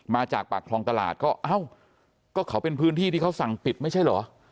มาจากปากคลองตลาดก็เอ้าก็เขาเป็นพื้นที่ที่เขาสั่งปิดไม่ใช่เหรอ